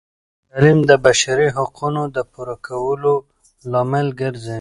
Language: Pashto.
تعلیم د بشري حقونو د پوره کولو لامل ګرځي.